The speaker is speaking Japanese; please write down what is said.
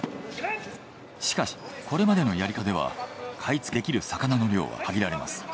しかしこれまでのやり方では買い付けできる魚の量は限られます。